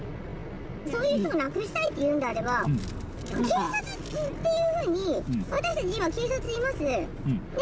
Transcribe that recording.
そういう人をなくしたいというんであれば、警察っていうふうに、私たち、今、警察にいます。ね？